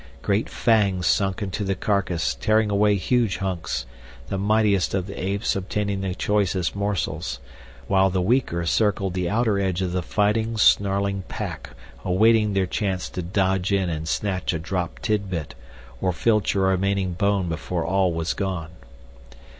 Great fangs sunk into the carcass tearing away huge hunks, the mightiest of the apes obtaining the choicest morsels, while the weaker circled the outer edge of the fighting, snarling pack awaiting their chance to dodge in and snatch a dropped tidbit or filch a remaining bone before all was gone.